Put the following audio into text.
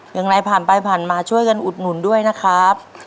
อย่างไรผ่านไปผ่านมาช่วยกันอุดหนุนด้วยนะครับ